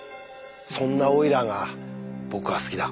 そんなオイラーが僕は好きだ。